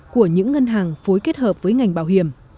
của những ngân hàng phối kết hợp với ngành bảo hiểm